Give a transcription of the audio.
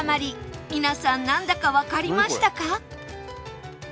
皆さんなんだかわかりましたか？